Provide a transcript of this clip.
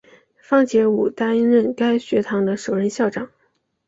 方解吾担任该学堂的首任校长。